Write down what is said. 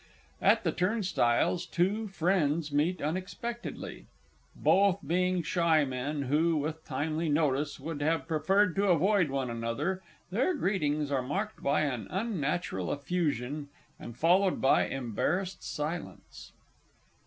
At the turnstiles two Friends meet unexpectedly; both being shy men, who, with timely notice, would have preferred to avoid one another, their greetings are marked by an unnatural effusion and followed by embarrassed silence.